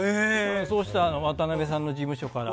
そしたら渡辺さんの事務所から